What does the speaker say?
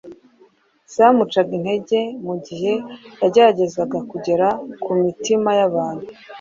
zamucaga intege mu gihe yageragezaga kugera ku mitima y’abantu.